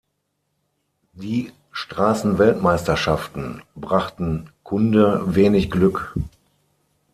Die Straßenweltmeisterschaften brachten Kunde wenig Glück.